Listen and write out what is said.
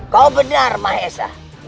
kau benar mahesha